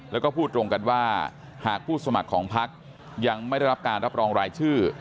แล้วก็พูดตรงกันว่าหากผู้สมัครของพักยังไม่ได้รับการรับรองรายชื่อ